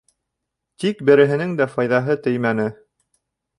Тик береһенең дә файҙаһы теймәне.